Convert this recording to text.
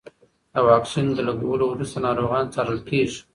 د واکسین د لګولو وروسته ناروغان څارل کېږي.